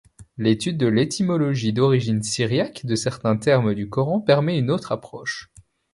L'étude de l'étymologie d'origine syriaque de certains termes du Coran permet une autre approche.